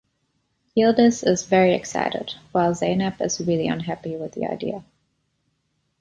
Yildiz is very excited while Zeynep is really unhappy with the idea.